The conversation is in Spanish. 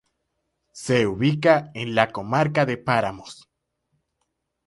Se ubica en la comarca de Páramos.